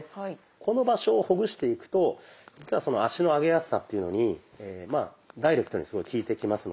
この場所をほぐしていくと実は足の上げやすさっていうのにダイレクトにすごい効いてきますので。